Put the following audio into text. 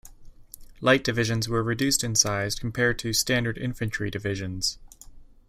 Light divisions were reduced in size compared to standard infantry divisions.